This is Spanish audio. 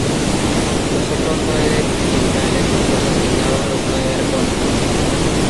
Los otros nueve tribunales los asignaban los nueve arcontes.